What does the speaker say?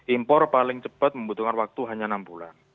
impor paling cepat membutuhkan waktu hanya enam bulan